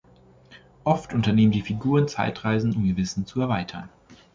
Oft unternehmen die Figuren Zeitreisen, um ihr Wissen zu erweitern.